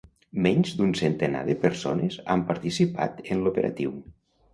Menys d'un centenar de persones han participat en l'operatiu.